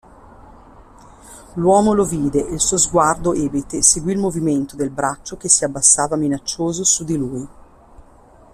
L'uomo lo vide e il suo sguardo ebete seguì il movimento del braccio che si abbassava minaccioso su di lui.